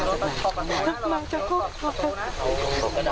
สมัยคุณต้องตอบประโยชน์